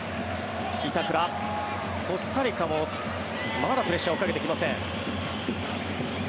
コスタリカもまだプレッシャーをかけてきません。